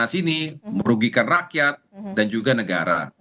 di sini merugikan rakyat dan juga negara